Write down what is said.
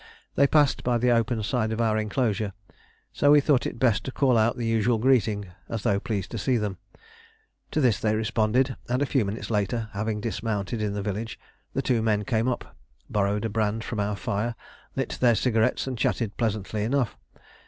They passed by the open side of our enclosure, so we thought it best to call out the usual greeting, as though pleased to see them. To this they responded, and a few minutes later, having dismounted in the village, the two men came up, borrowed a brand from our fire, lit their cigarettes, and chatted pleasantly enough.